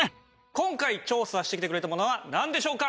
今回調査してきてくれたものはなんでしょうか？